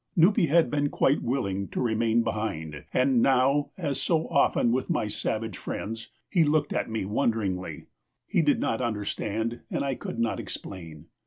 Nupee had been quite willing to remain behind, and now, as so often with my savage friends, he looked at me wonderingly. He did not understand and I could not explain.